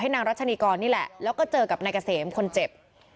นางรัชนีกรนี่แหละแล้วก็เจอกับนายเกษมคนเจ็บ